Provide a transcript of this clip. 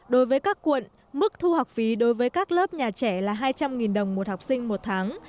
đối với các quận mức thu học phí đối với các lớp nhà trẻ là hai trăm linh đồng một học sinh một tháng